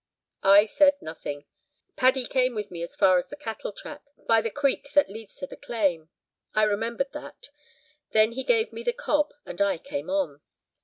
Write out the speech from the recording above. I said nothing. Paddy came with me as far as the cattle track, by the creek that leads to the claim. I remembered that. Then he gave me the cob, and I came on.